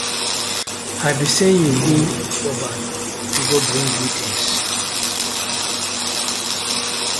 I been sen yu go Oban to go bring greetins.